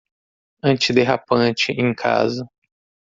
Antiderrapante em casa